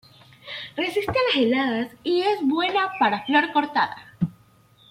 Resiste a las heladas y es buena para flor cortada.